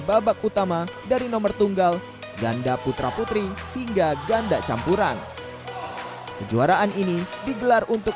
babak utama dari nomor tunggal ganda putra putri hingga ganda campuran kejuaraan ini digelar untuk